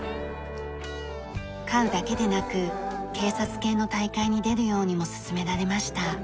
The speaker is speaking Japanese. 飼うだけでなく警察犬の大会に出るようにも勧められました。